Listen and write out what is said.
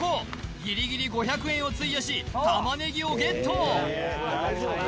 ギリギリ５００円を費やしタマネギをゲット！